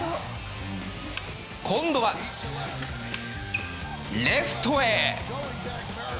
今度はレフトへ。